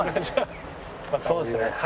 そうですね。